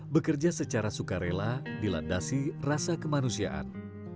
bekerja secara sukarela dilandasi rasa kemanusiaan